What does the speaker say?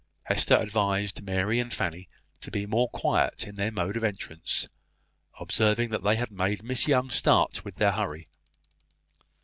Hester advised Mary and Fanny to be more quiet in their mode of entrance, observing that they had made Miss Young start with their hurry.